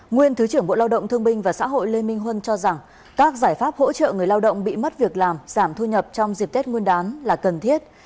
nguyên thứ trưởng bộ lao động thương binh và xã hội lê minh huân cho rằng các giải pháp hỗ trợ người lao động bị mất việc làm giảm thu nhập trong dịp tết nguyên đán là cần thiết